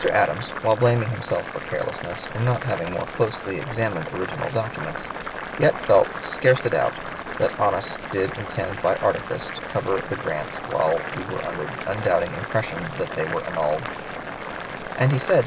Adams, while blaming himself for carelessness in not having more closely examined original documents, yet felt "scarce a doubt" that Onis "did intend by artifice to cover the grants while we were under the undoubting impression they were annulled;" and he said to M.